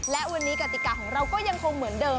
และวันนี้กติกาของเราก็ยังคงเหมือนเดิม